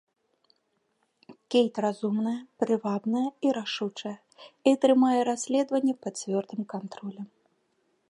Кейт разумная, прывабная і рашучая і трымае расследаванне пад цвёрдым кантролем.